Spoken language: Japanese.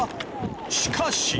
しかし。